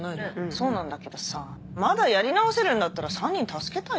そうなんだけどさまだやり直せるんだったら３人助けたいじゃん。